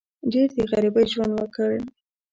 ډېر د غریبۍ ژوند وکړ.